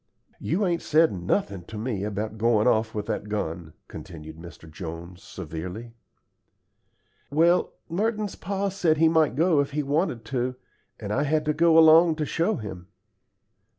"You ain't said nothin' to me about goin' off with that gun," continued Mr. Jones, severely. "Well, Merton's pa said he might go if he wanted to, and I had to go along to show him."